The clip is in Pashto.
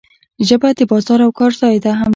ژبه د بازار او کار ځای هم ده.